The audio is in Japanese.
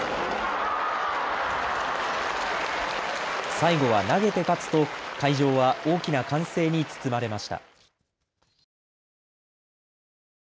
最後は投げて勝つと会場は大きな歓声に包まれました。